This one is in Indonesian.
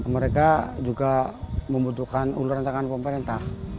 mereka juga membutuhkan undurantakan pemerintah